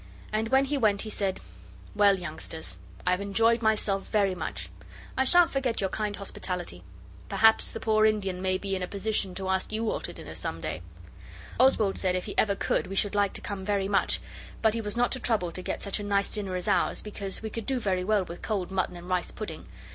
And when he went he said 'Well, youngsters, I've enjoyed myself very much. I shan't forget your kind hospitality. Perhaps the poor Indian may be in a position to ask you all to dinner some day.' Oswald said if he ever could we should like to come very much, but he was not to trouble to get such a nice dinner as ours, because we could do very well with cold mutton and rice pudding.